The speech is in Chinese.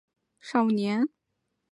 这个故事的主角是四郎少年。